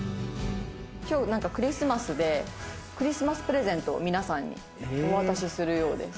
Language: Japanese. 今日なんかクリスマスでクリスマスプレゼントを皆さんにお渡しするようです。